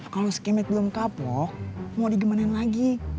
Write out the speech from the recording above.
kalo si kemet belum kapok mau digemanein lagi